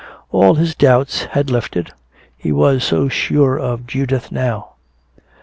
All his doubts had lifted, he was so sure of Judith now.